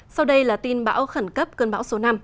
sau đây là tin bão khẩn cấp cơn bão số năm